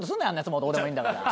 もうどうでもいいんだから。